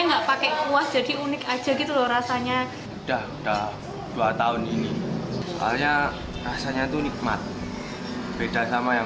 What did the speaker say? enggak pakai kuah jadi unik aja gitu rasanya udah dua tahun ini soalnya rasanya tuh nikmat beda sama